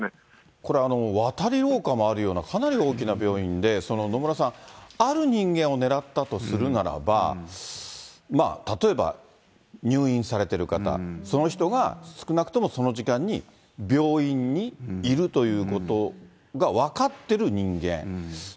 これ、渡り廊下もあるような、かなり大きな病院で、野村さん、ある人間を狙ったとするならば、例えば入院されてる方、その人が少なくともその時間に病院にいるということが分かってる人間。